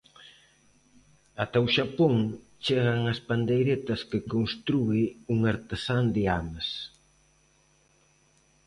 Ata o Xapón chegan as pandeiretas que constrúe un artesán de Ames.